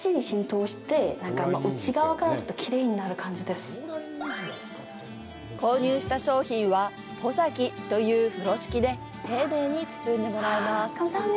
すごい！購入した商品は、“ポジャギ”という風呂敷で丁寧に包んでもらえます。